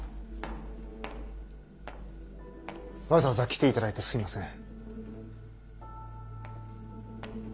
わざわざ来ていただいてすみません。